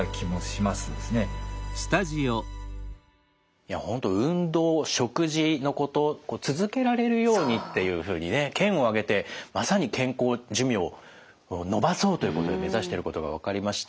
いや本当運動食事のこと続けられるようにっていうふうにね県を挙げてまさに健康寿命延ばそうということを目指してることが分かりました。